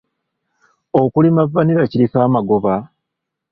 Okulima vanilla kuliko amagoba?